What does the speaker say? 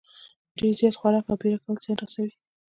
ډېر زیات خوراک او بېړه کول زیان رسوي.